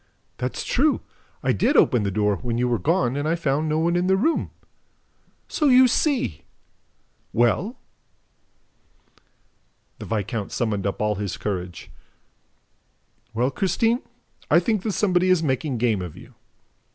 "That's true! I did open the door, when you were gone, and I found no one in the room." "So you see! ... Well?" The viscount summoned up all his courage. "Well, Christine, I think that somebody is making game of you."